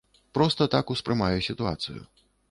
Проста так успрымаю сітуацыю.